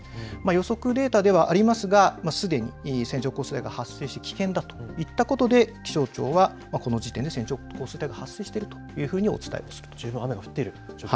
予測データではありますがすでに線状降水帯が発生して危険だといったことで気象庁はこの時点で線状降水帯が発生しているというふうにお伝えをすると。